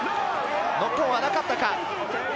ノックオンはなかったか？